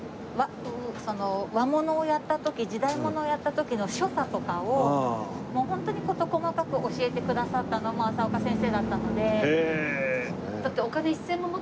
その和物をやった時時代物をやった時の所作とかをもうホントに事細かく教えてくださったのも朝丘先生だったので。